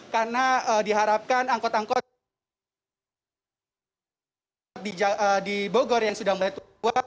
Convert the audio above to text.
karena diharapkan angkot angkot di bogor yang sudah mulai tua